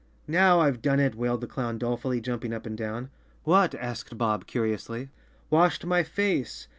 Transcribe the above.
"Now I've done it," wailed the clown dolefully, jump¬ ing up and down. "What?" asked Bob curiously. "Washed my face."